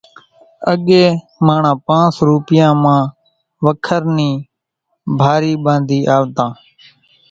اڳيَ ماڻۿان پانس روپيان مان وکر نِي ڀارِي ٻاڌينَ آوتان۔